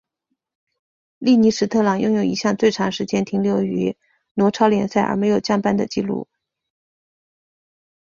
利尼史特朗拥有一项最长时间停留于挪超联赛而没有降班的纪录。